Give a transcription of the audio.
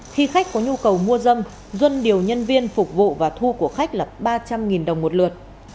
khi khách có nhu cầu mua dâm duân điều nhân viên phục vụ và thu của khách là ba trăm linh đồng một lượt